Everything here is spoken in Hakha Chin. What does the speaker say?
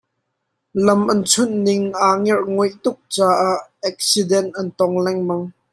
Lam an chunh ning aa ngerhnguaih tuk caah eksident an tong lengmang.